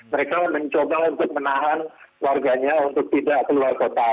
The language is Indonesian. mereka mencoba untuk menahan warganya untuk tidak keluar kota